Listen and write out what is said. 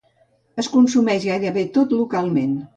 Es consumeix gairebé tot localment.